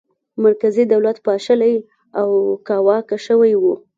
مرکزي دولت پاشلی او کاواکه شوی و.